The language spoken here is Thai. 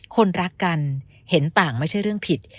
คนรักกันเห็นต่างไม่ใช่เรื่องผิด